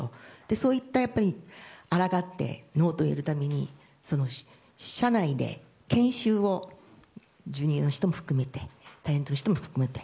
そういったものにあらがってノーというために社内で研修をＪｒ．の人も含めてタレントの人も含めて